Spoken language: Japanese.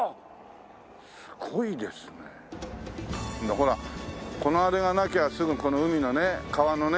ほらこのあれがなきゃすぐこの海のね川のね